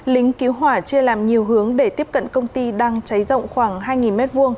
lính cứu hỏa chưa làm nhiều hướng để tiếp cận công ty đang cháy rộng khoảng hai m hai